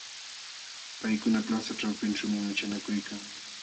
Paykuna plaza ćhawpinćhuumi muchanakuykan.